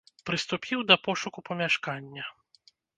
Прыступіў да пошуку памяшкання.